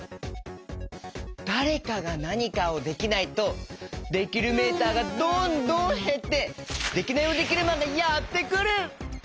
だれかがなにかをできないとできるメーターがどんどんへってデキナイヲデキルマンがやってくる！